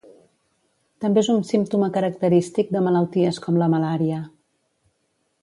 També és un símptoma característic de malalties com la malària.